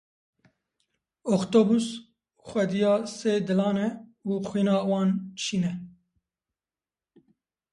Octopus xwediya sê dilan e, û xwîna wan şîn e.